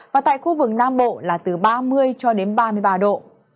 và tại khu vực nam bộ là từ ba mươi cho đến ba mươi ba độ